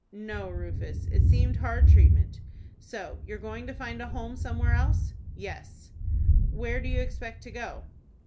"No, Rufus; it seemed hard treatment. So you're going to find a home somewhere else?" "Yes." "Where do you expect to go?"